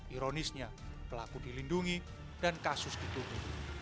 ironisnya pelaku dilindungi dan kasus ditutup